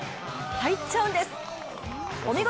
入っちゃうんです、お見事。